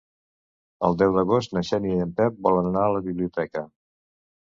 El deu d'agost na Xènia i en Pep volen anar a la biblioteca.